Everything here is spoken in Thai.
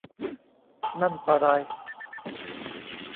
นั่นปะไร